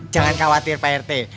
jangan khawatir pak rt